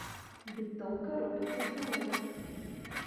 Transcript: Дыктоўка робіцца з нарэзак.